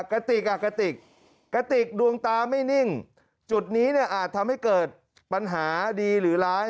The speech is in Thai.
กระติกอ่ะกระติกกระติกดวงตาไม่นิ่งจุดนี้เนี่ยอาจทำให้เกิดปัญหาดีหรือร้าย